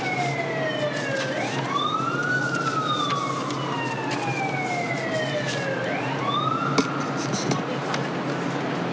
วันอ้าน